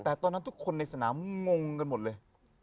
แต่ตอนนั้นทุกคนในสนามงงกันหมดเลย